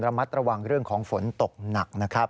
ระมัดระวังเรื่องของฝนตกหนักนะครับ